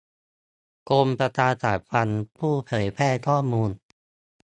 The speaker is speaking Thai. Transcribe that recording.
กรมประชาสัมพันธ์ ผู้เผยแพร่ข้อมูล